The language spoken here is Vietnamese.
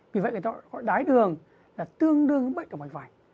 vì vậy người ta gọi đái đường là tương đương với bệnh ở mặt vải